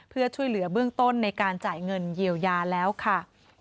เพื่อช่วยเหลือเบื้องต้นในการจ่ายเงินเยียวยาแล้วค่ะ